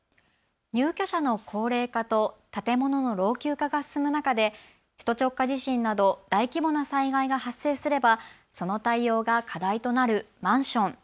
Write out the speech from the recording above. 入居者の高齢化と建物の老朽化が進む中で首都直下地震など大規模な災害が発生すればその対応が課題となるマンション。